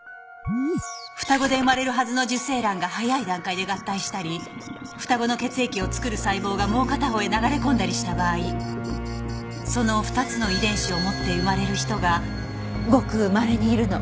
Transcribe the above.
双子で生まれるはずの受精卵が早い段階で合体したり双子の血液を作る細胞がもう片方へ流れ込んだりした場合その２つの遺伝子を持って生まれる人がごくまれにいるの。